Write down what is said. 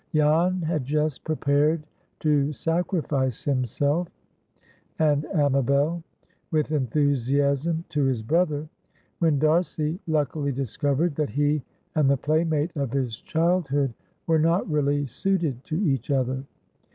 Jan had just prepared to sacrifice himself (and Amabel) with enthusiasm to his brother, when D'Arcy luckily discovered that he and the playmate of his childhood were not really suited to each other.